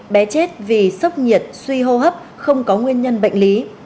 bé chết vì sốc nhiệt suy hô hấp không có nguyên nhân bệnh lý